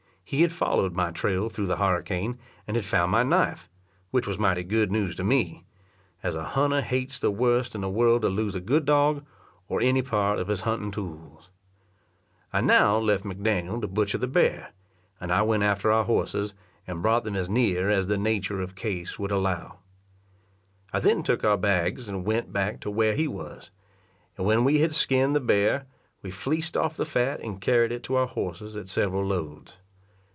He had followed my trail through the harricane, and had found my knife, which was mighty good news to me; as a hunter hates the worst in the world to lose a good dog, or any part of his hunting tools. I now left McDaniel to butcher the bear, and I went after our horses, and brought them as near as the nature of case would allow. I then took our bags, and went back to where he was; and when we had skin'd the bear, we fleeced off the fat and carried it to our horses at several loads.